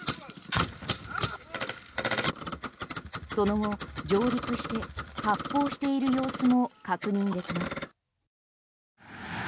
その後、上陸して発砲している様子も確認できます。